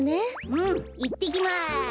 うんいってきます！